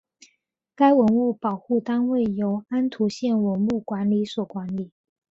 该文物保护单位由安图县文物管理所管理。